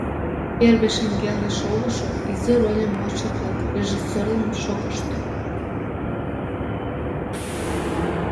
Первый шеҥгелне шогышо, изи рольым модшо-влак режиссёрлан шогышт.